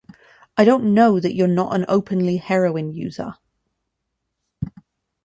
I don't know that you're not an openly heroin user.